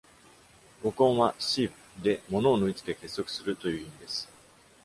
語根は「siv」で、ものを縫い付け、結束するという意味です。